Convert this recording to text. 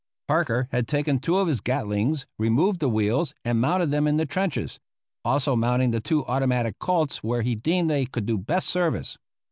Parker had taken two of his Gatlings, removed the wheels, and mounted them in the trenches; also mounting the two automatic Colts where he deemed they could do best service.